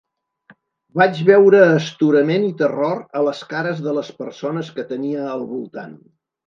Vaig veure astorament i terror a les cares de les persones que tenia al voltant.